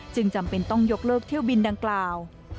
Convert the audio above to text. จำเป็นต้องยกเลิกเที่ยวบินดังกล่าว